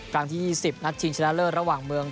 ครั้งที่๒๐นัดชิงชนะเลิศระหว่างเมือง